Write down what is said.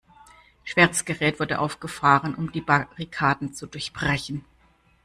Schweres Gerät wurde aufgefahren, um die Barrikaden zu durchbrechen.